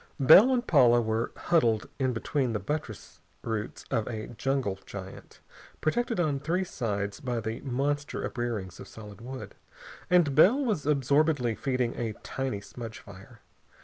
Bell and Paula were huddled in between the buttress roots of a jungle giant, protected on three sides by the monster uprearings of solid wood, and Bell was absorbedly feeding a tiny smudge fire.